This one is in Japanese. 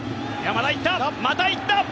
また行った！